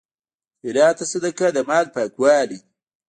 خیرات او صدقه د مال پاکوالی دی.